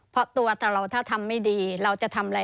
เพราะตัวเราถ้าทำไม่ดีเราจะทำอะไร